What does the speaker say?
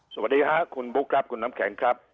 สวัสดีค่ะคุณบุ๊คครับคุณน้ำแข็งครับ